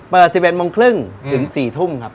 เปิด๑๑๓๐ถึง๔ทุ่มครับ